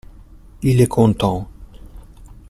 Il est content.